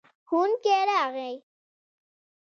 ښوونکی راغی.